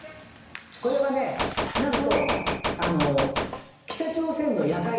これはねなんと。